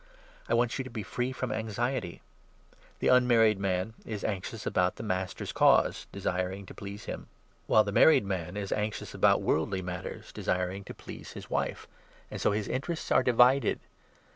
I want you to be free from anxiety. The 32 unmarried man is anxious about the Master's Cause, desiring to please him ; while the married man is anxious about worldly. 33 matters, desiring to please his wife ; and so his interests are divided.